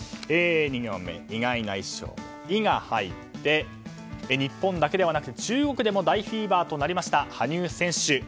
２行目、意外な衣装の「イ」が入って日本だけではなく中国でも大フィーバーとなりました羽生選手。